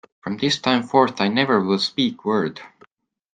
From this time forth I never will speak word.